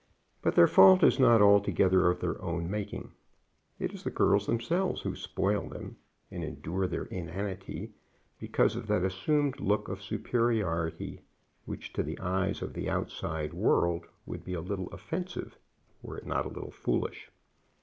But their fault is not altogether of their own making. It is the girls themselves who spoil them and endure their inanity, because of that assumed look of superiority which to the eyes of the outside world would be a little offensive were it not a little foolish.